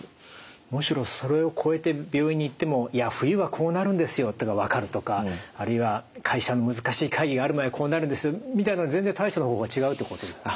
むしろそれを超えて病院に行ってもいや冬はこうなるんですよというのが分かるとかあるいは会社の難しい会議がある前はこうなるんですよみたいなのは全然対処の方法が違うってことですか？